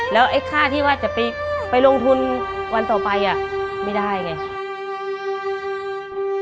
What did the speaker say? แล้วไอ้ค่าที่ว่าจะไปลงทุนวันต่อไปไม่ได้ไง